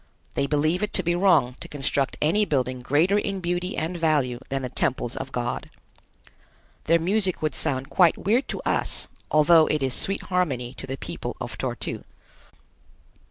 They believe it to be wrong to construct any building greater in beauty and value than the temples of God. Their music would sound quite weird to us, although it is sweet harmony to the people of Tor tu.